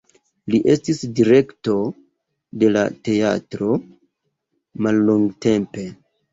Li estis direkto de la teatro mallongtempe.